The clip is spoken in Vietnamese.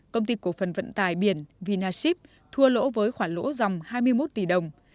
công ty cổ phần vận tài biển vinaship thua lỗ với khoản lỗ dòng hai mươi một tỷ đồng